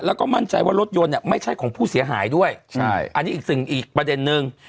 แล้วก็มั่นใจว่ารถยนต์เนี่ยไม่ใช่ของผู้เสียหายด้วยใช่อันนี้อีกสิ่งอีกประเด็นนึง